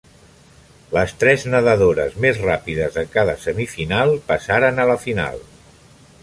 Les tres nedadores més ràpides de cada semifinal passaren a la final.